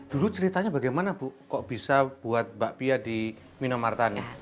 dulu ceritanya bagaimana kok bisa buat bakpia di mino martani